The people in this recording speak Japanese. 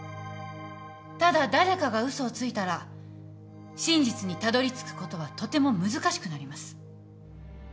ただ誰かが嘘をついたら真実にたどりつくことはとても難しくなります。